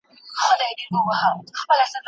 تاسي ولي ماشومان په زور بېدوئ؟